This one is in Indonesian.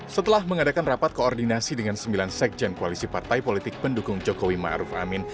setelah mengadakan rapat koordinasi dengan sembilan sekjen koalisi partai politik pendukung jokowi ⁇ maruf ⁇ amin